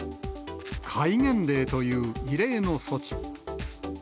戒厳令という異例の措置。